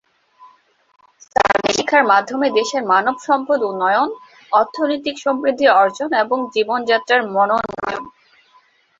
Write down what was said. Survey শিক্ষার মাধ্যমে দেশের মানব সম্পদ উন্নয়ন, অর্থনৈতিক সমৃদ্ধি অর্জন এবং জীবন যাত্রার মানোন্নয়ন।